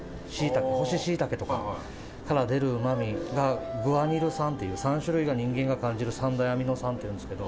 干し椎茸とかから出るうまみがグアニル酸っていう３種類が、人間が感じる３大アミノ酸っていうんですけど。